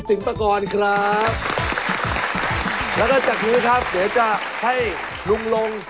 อีกป้ายหนึ่งจะเป็นรูป